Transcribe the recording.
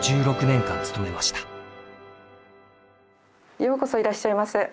ようこそいらっしゃいませ。